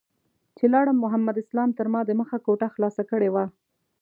چې لاړم محمد اسلام تر ما دمخه کوټه خلاصه کړې وه.